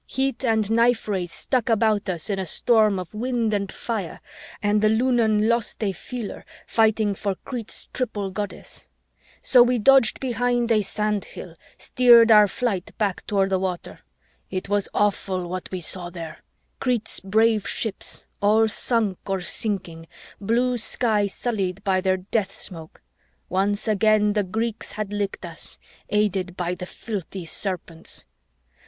Heat and knife rays struck about us in a storm of wind and fire, and the Lunan lost a feeler, fighting for Crete's Triple Goddess. So we dodged behind a sand hill, steered our flight back toward the water. It was awful, what we saw there: Crete's brave ships all sunk or sinking, blue sky sullied by their death smoke. Once again the Greeks had licked us! aided by the filthy Serpents.